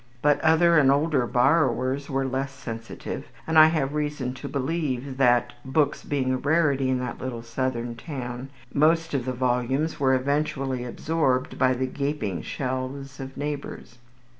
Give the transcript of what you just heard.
But other and older borrowers were less sensitive, and I have reason to believe that books being a rarity in that little Southern town most of the volumes were eventually absorbed by the gaping shelves of neighbours.